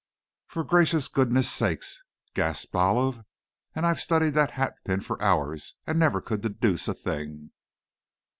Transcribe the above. "For gracious goodness sake!" gasped Olive; "and I've studied that hatpin for hours and never could deduce a thing!"